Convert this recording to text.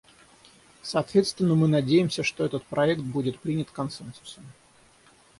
Соответственно мы надеемся, что этот проект будет принят консенсусом.